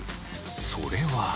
それは。